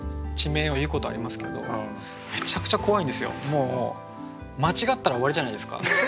もう間違ったら終わりじゃないですか。